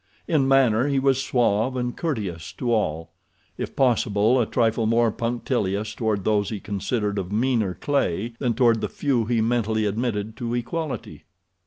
In manner he was suave and courteous to all—if possible a trifle more punctilious toward those he considered of meaner clay than toward the few he mentally admitted to equality.